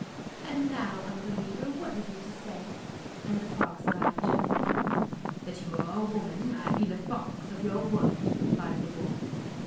'And now, unbeliever, what have you to say?' and the fox laughed gently. 'That you are a woman I mean a fox of your word,' replied the wolf.